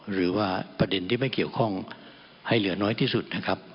หรือว่าประเด็นที่ไม่เกี่ยวข้องให้เหลือน้อยที่สุดนะครับ